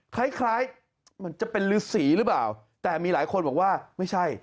คล้ายคล้ายมันจะเป็นฤษีหรือเปล่าแต่มีหลายคนบอกว่าไม่ใช่